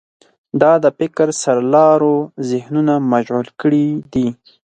دا د فکر سرلارو ذهنونه مشغول کړي دي.